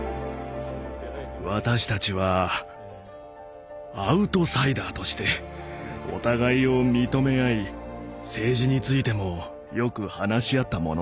私たちはアウトサイダーとしてお互いを認め合い政治についてもよく話し合ったものでした。